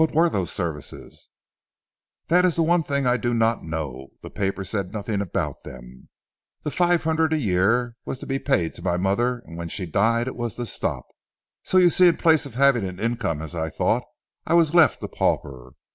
"What were those services?" "That is one of the things I do not know. The paper said nothing about them. The five hundred a year was to be paid to my mother and when she died it was to stop. So you see that in place of having an income as I thought I was left a pauper.